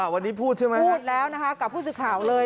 วันนี้พูดใช่ไหมพูดแล้วนะคะกับผู้สื่อข่าวเลย